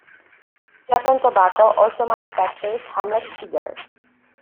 Japan Tobacco also manufactures Hamlet cigars.